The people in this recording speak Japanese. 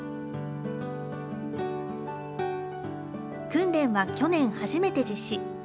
訓練は去年初めて実施。